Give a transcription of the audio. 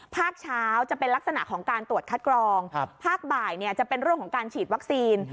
ภาคเช้าจะเป็นลักษณะของการตรวจคัดกรองภาคบ่ายจะเป็นเรื่องของการฉีดวัคซีน